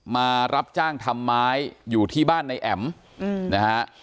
มารับจ้างทำไม้อยู่ที่บ้านในแอ๋มนะฮะ